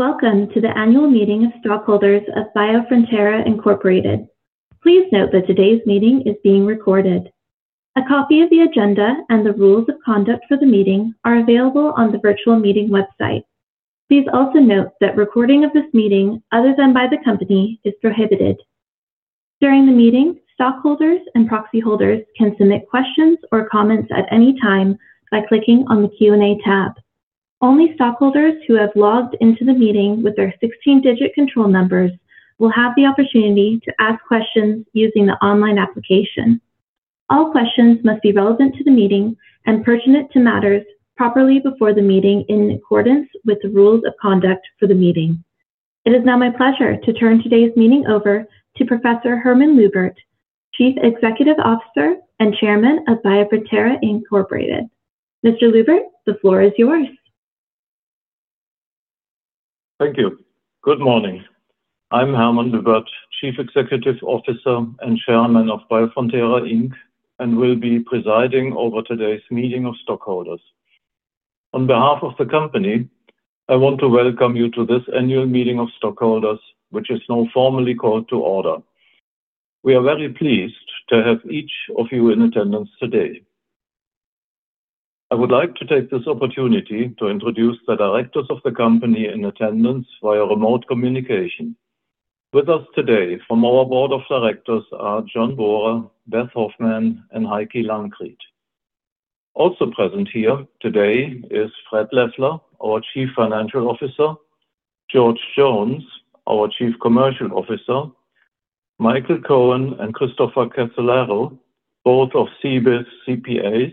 Hello, welcome to the annual meeting of stockholders of Biofrontera Inc.. Please note that today's meeting is being recorded. A copy of the agenda and the rules of conduct for the meeting are available on the virtual meeting website. Please also note that recording of this meeting, other than by the company, is prohibited. During the meeting, stockholders and proxy holders can submit questions or comments at any time by clicking on the Q&A tab. Only stockholders who have logged into the meeting with their 16-digit control numbers will have the opportunity to ask questions using the online application. All questions must be relevant to the meeting and pertinent to matters properly before the meeting in accordance with the rules of conduct for the meeting. It is now my pleasure to turn today's meeting over to Professor Hermann Lübbert, Chief Executive Officer and Chairman of Biofrontera Inc.. Mr. Lübbert, the floor is yours. Thank you. Good morning. I'm Hermann Lübbert, Chief Executive Officer and Chairman of Biofrontera Inc., and will be presiding over today's meeting of stockholders. On behalf of the company, I want to welcome you to this annual meeting of stockholders, which is now formally called to order. We are very pleased to have each of you in attendance today. I would like to take this opportunity to introduce the directors of the company in attendance via remote communication. With us today from our board of directors are John Borer, Beth Hoffman, and Heikki Lanckriet. Also present here today is Fred Leffler, our Chief Financial Officer, George Jones, our Chief Commercial Officer, Michael Cohen and Christopher Casolaro, both of CBIZ CPAs,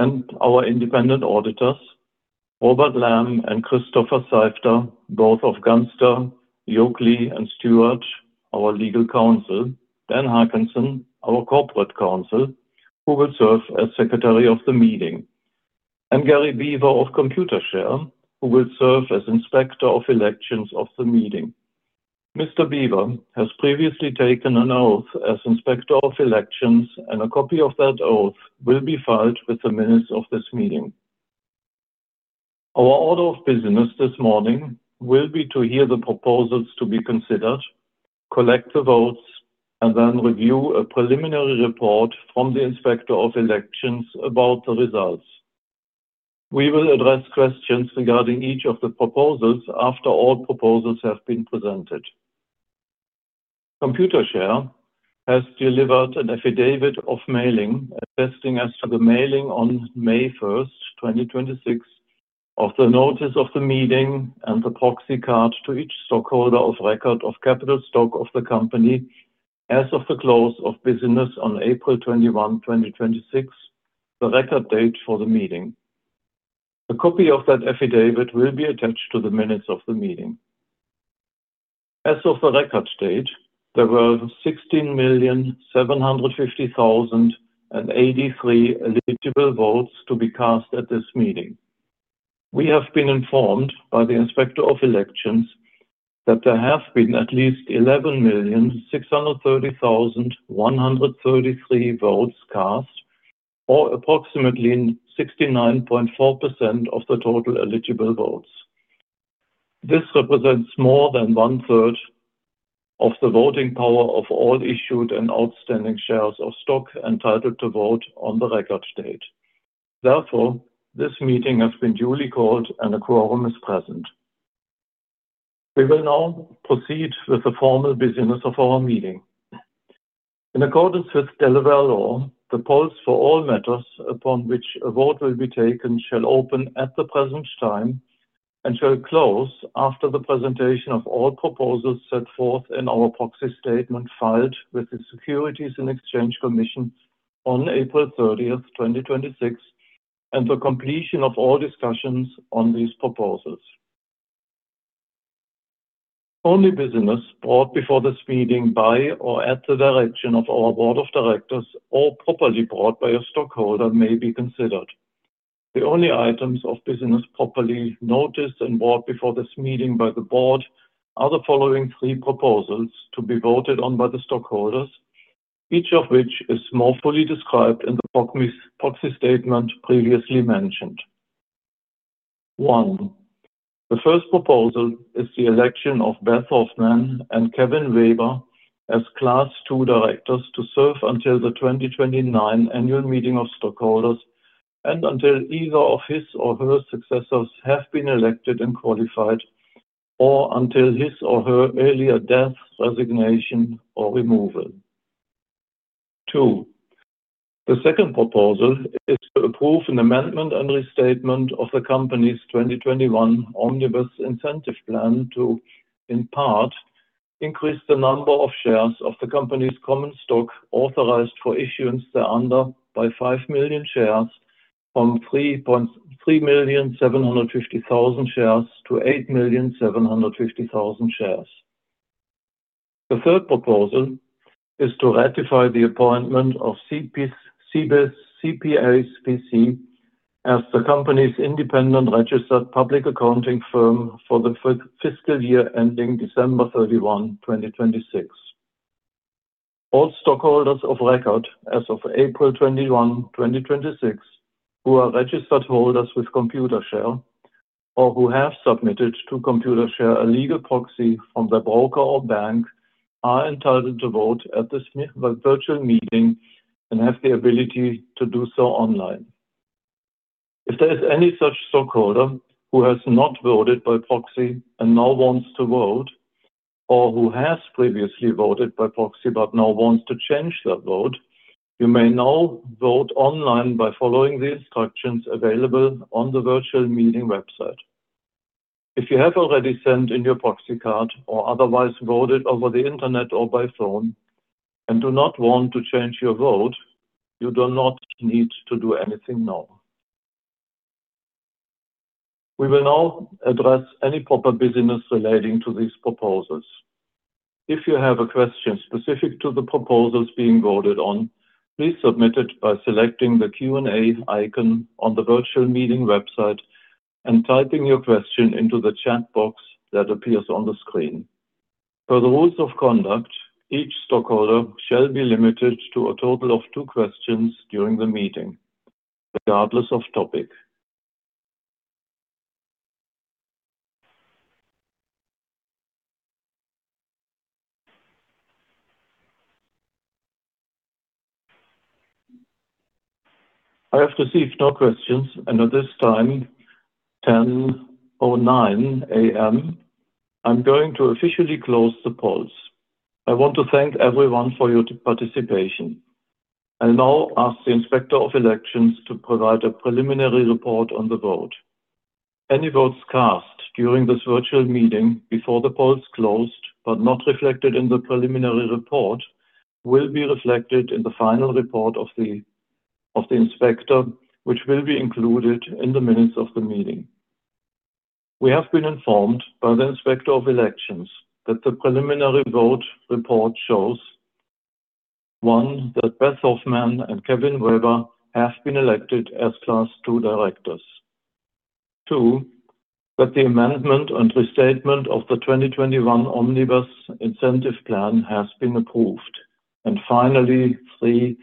and our independent auditors, Robert Lamb and Christopher Seifter, both of Gunster, Yoakley & Stewart, our legal counsel, Dan Haakenson, our Corporate Counsel, who will serve as Secretary of the meeting, and Gary Beaver of Computershare, who will serve as Inspector of Elections of the meeting. Mr. Beaver has previously taken an oath as Inspector of Elections, and a copy of that oath will be filed with the minutes of this meeting. Our order of business this morning will be to hear the proposals to be considered, collect the votes, and then review a preliminary report from the Inspector of Elections about the results. We will address questions regarding each of the proposals after all proposals have been presented. Computershare has delivered an affidavit of mailing, attesting as to the mailing on May 1st, 2026, of the notice of the meeting and the proxy card to each stockholder of record of capital stock of the company as of the close of business on April 21, 2026, the record date for the meeting. A copy of that affidavit will be attached to the minutes of the meeting. As of the record date, there were 16,750,083 eligible votes to be cast at this meeting. We have been informed by the Inspector of Elections that there have been at least 11,630,133 votes cast, or approximately 69.4% of the total eligible votes. This represents more than one-third of the voting power of all issued and outstanding shares of stock entitled to vote on the record date. This meeting has been duly called and a quorum is present. We will now proceed with the formal business of our meeting. In accordance with Delaware law, the polls for all matters upon which a vote will be taken shall open at the present time and shall close after the presentation of all proposals set forth in our proxy statement filed with the Securities and Exchange Commission on April 30th, 2026, and the completion of all discussions on these proposals. Only business brought before this meeting by or at the direction of our board of directors or properly brought by a stockholder may be considered. The only items of business properly noticed and brought before this meeting by the board are the following three proposals to be voted on by the stockholders, each of which is more fully described in the proxy statement previously mentioned. One, the first proposal is the election of Beth Hoffman and Kevin Weber as Class II directors to serve until the 2029 annual meeting of stockholders and until either of his or her successors have been elected and qualified, or until his or her earlier death, resignation, or removal. Two, the second proposal is to approve an amendment and restatement of the company's 2021 Omnibus Incentive Plan to, in part, increase the number of shares of the company's common stock authorized for issuance thereunder by 5 million shares from 3,750,000 shares to 8,750,000 shares. The third proposal is to ratify the appointment of CBIZ CPAs, P.C. as the company's independent registered public accounting firm for the fiscal year ending December 31, 2026. All stockholders of record as of April 21, 2026, who are registered holders with Computershare or who have submitted to Computershare a legal proxy from their broker or bank, are entitled to vote at this virtual meeting and have the ability to do so online. If there is any such stockholder who has not voted by proxy and now wants to vote, or who has previously voted by proxy but now wants to change that vote, you may now vote online by following the instructions available on the virtual meeting website. If you have already sent in your proxy card or otherwise voted over the internet or by phone and do not want to change your vote, you do not need to do anything now. We will now address any proper business relating to these proposals. If you have a question specific to the proposals being voted on, please submit it by selecting the Q&A icon on the virtual meeting website and typing your question into the chat box that appears on the screen. Per the rules of conduct, each stockholder shall be limited to a total of two questions during the meeting, regardless of topic. I have received no questions, and at this time, 10:09 A.M., I'm going to officially close the polls. I want to thank everyone for your participation. I'll now ask the Inspector of Elections to provide a preliminary report on the vote. Any votes cast during this virtual meeting before the polls closed but not reflected in the preliminary report will be reflected in the final report of the Inspector, which will be included in the minutes of the meeting. We have been informed by the Inspector of Elections that the preliminary vote report shows, one, that Beth Hoffman and Kevin Weber have been elected as Class II directors. Two, that the amendment and restatement of the 2021 Omnibus Incentive Plan has been approved. Finally, three,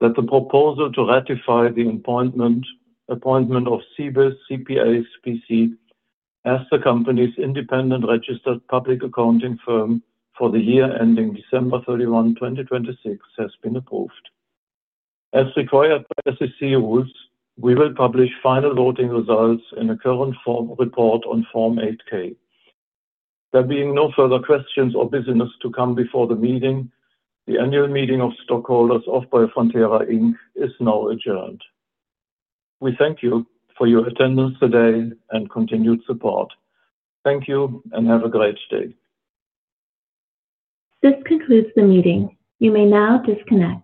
that the proposal to ratify the appointment of CBIZ CPAs, P.C. as the company's independent registered public accounting firm for the year ending December 31, 2026, has been approved. As required by SEC rules, we will publish final voting results in a current form report on Form 8-K. There being no further questions or business to come before the meeting, the annual meeting of stockholders of Biofrontera Inc. is now adjourned. We thank you for your attendance today and continued support. Thank you, and have a great day. This concludes the meeting. You may now disconnect.